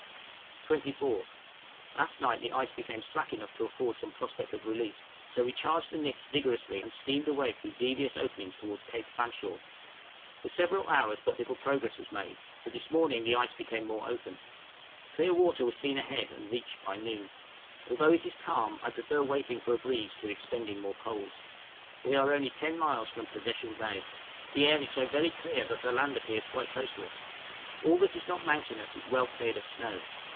24th. Last night the ice became slack enough to afford some prospect of release, so we charged the nips vigorously, and steamed away through devious openings towards Cape Fanshawe. For several hours but little progress was made, but this morning the ice became more open; clear water was seen ahead, and reached by noon. Although it is calm I prefer waiting for a breeze to expending more coals. We are only ten miles from Possession Bay. The air is so very clear that the land appears quite close to us. All that is not mountainous is well cleared of snow.